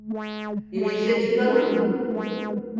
Yürüyüşe çıkalım mı?